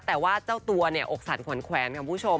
แต่ว่าเจ้าตัวเนี่ยอกสันขวนแขวนกับผู้ชม